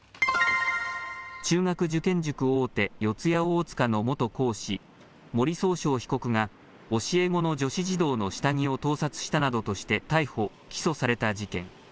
中学受験塾大手、四谷大塚の元講師、森崇翔被告が教え子の女子児童の下着を盗撮したなどとして逮捕・起訴された事件。